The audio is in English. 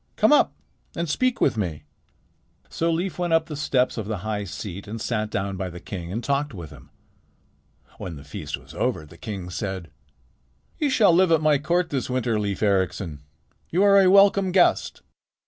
Come up and speak with me." So Leif went up the steps of the high seat and sat down by the king and talked with him. When the feast was over the king said: "You shall live at my court this winter, Leif Ericsson. You are a welcome guest."